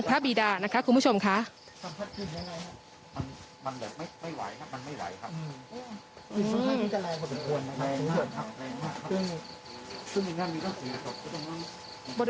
พระบิดานะคะคุณผู้ชมค่ะมันแบบไม่ไหวครับมันไม่ไหวครับ